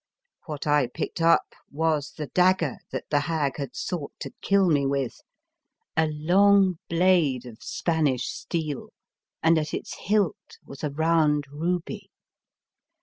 What I picked up was the dagger that the hag had sought to kill me with, a long blade of Spanish steel, and at its hilt was a round ruby.